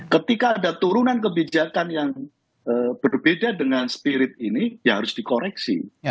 ketika ada turunan kebijakan yang berbeda dengan spirit ini ya harus dikoreksi